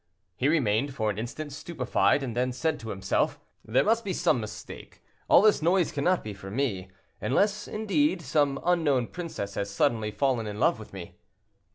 He remained for an instant stupefied, and then said to himself, "There must be some mistake; all this noise cannot be for me. Unless, indeed, some unknown princess has suddenly fallen in love with me."